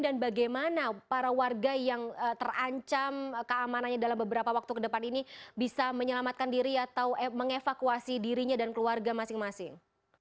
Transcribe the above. dan bagaimana para warga yang terancam keamanannya dalam beberapa waktu ke depan ini bisa menyelamatkan diri atau mengevakuasi dirinya dan keluarga masing masing